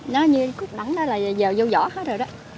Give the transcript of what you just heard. nó như cút nặng đó là giờ vô vỏ hết rồi đó